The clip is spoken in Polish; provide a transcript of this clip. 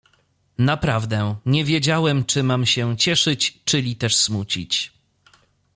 "Naprawdę, nie wiedziałem, czy mam się cieszyć, czyli też smucić."